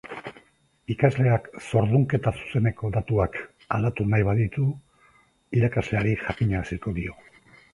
Ikasleak zordunketa zuzeneko datuak aldatu nahi baditu, irakasleari jakinaraziko dio.